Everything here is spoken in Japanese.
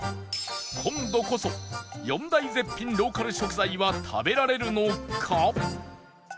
今度こそ４大絶品ローカル食材は食べられるのか？